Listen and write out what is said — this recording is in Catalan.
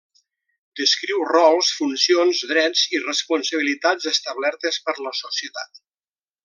Descriu rols, funcions, drets i responsabilitats establertes per la societat.